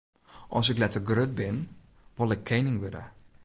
As ik letter grut bin, wol ik kening wurde.